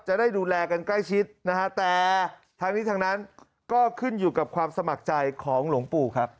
จะได้ดูแลกันใกล้ชิดนะฮะแต่ทั้งนี้ทั้งนั้นก็ขึ้นอยู่กับความสมัครใจของหลวงปู่ครับ